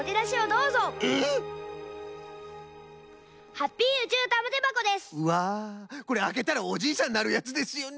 うわあこれあけたらおじいさんになるやつですよね。